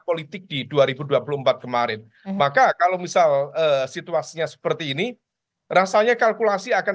politik di dua ribu dua puluh empat kemarin maka kalau misal situasinya seperti ini rasanya kalkulasi akan